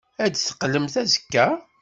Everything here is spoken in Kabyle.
Ad d-teqqlemt azekka?